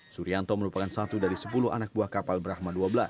surianto merupakan satu dari sepuluh anak buah kapal brahma dua belas